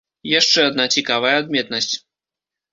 Яшчэ адна цікавая адметнасць.